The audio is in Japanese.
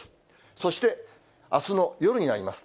そして、あすの夜になります。